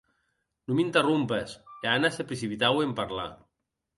Non m'interrompes, e Anna se precipitaue en parlar.